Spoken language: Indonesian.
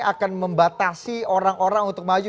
akan membatasi orang orang untuk maju